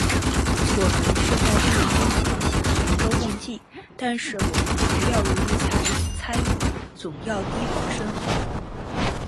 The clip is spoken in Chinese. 我们是在并肩前行，同舟共济，但是我们不要由于猜疑，总要提防身后。